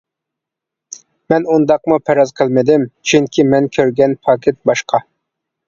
مەن ئۇنداقمۇ پەرەز قىلمىدىم، چۈنكى مەن كۆرگەن پاكىت باشقا.